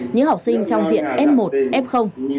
những học sinh trong diện f một f